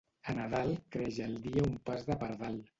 A Nadal creix el dia un pas de pardal.